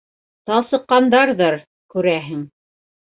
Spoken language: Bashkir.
Талсыҡҡандарҙыр, күрәһең.